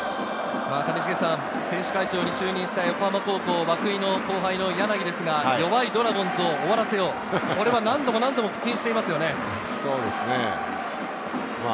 選手会長に就任した横浜高校、涌井の後輩の柳ですが、弱いドラゴンズを終わらせよう、これはそうですね。